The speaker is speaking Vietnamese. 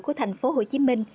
của thành phố hồ chí minh